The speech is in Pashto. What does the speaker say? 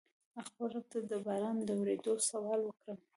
خپل رب ته د باران د ورېدو سوال وکړم.